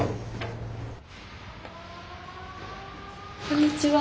こんにちは。